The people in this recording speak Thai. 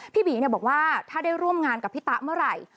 บีบอกว่าถ้าได้ร่วมงานกับพี่ตะเมื่อไหร่